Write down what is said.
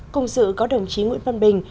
cùng dự có đồng chí nguyễn văn bình